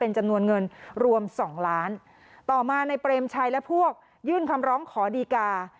จำนวนเงินรวมสองล้านต่อมาในเปรมชัยและพวกยื่นคำร้องขอดีกา